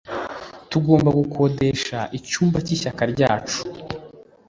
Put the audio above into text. Tugomba gukodesha icyumba cy'ishyaka ryacu.